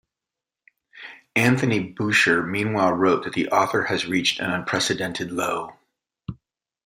Anthony Boucher meanwhile wrote that the "author has reached an unprecedented low".